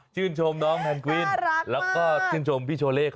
ชื่นชมน้องฮันกวีน